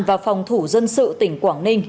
và phòng thủ dân sự tỉnh quảng ninh